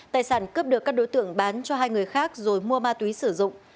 tài sản cướp được các đối tượng bán cho hai người khác rồi mua ma túy sử dụng